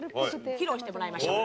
披露してもらいましょう。